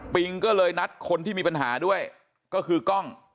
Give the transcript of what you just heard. ก็เลยนัดคนที่มีปัญหาด้วยก็คือกล้อง